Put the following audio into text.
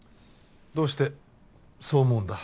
どうしてそう思うんだ？